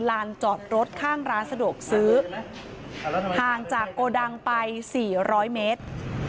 ลานจอดรถข้างร้านสะดวกซื้อห่างจากโกดังไปสี่ร้อยเมตร